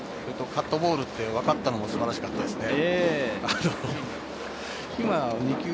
カットボールと分かったのも素晴らしかったですね。